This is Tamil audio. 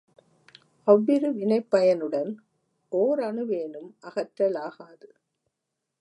அவ்விரு வினைப் பயனுடன் ஓரணுவேனும் அகற்றலாகாது.